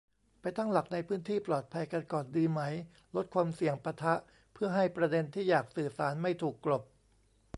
ไปตั้งหลักในพื้นที่ปลอดภัยกันก่อนดีไหม ลดความเสี่ยงปะทะ เพื่อให้ประเด็นที่อยากสื่อสารไม่ถูกกลบ